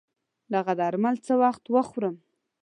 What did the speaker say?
دغه درمل څه وخت وخورم